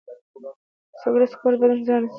د سګرټ څکول بدن زیان رسوي.